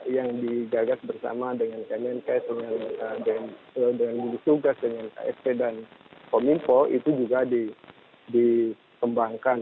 yang digagas bersama dengan kmnk dengan bunga sugas dengan ksp dan komimpo itu juga dikembangkan